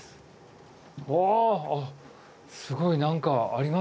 おおすごい何かありますね。